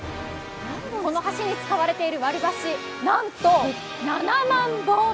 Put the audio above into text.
この橋に使われている割り箸なんと７万本。